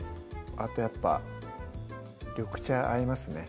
あとやっぱ緑茶合いますね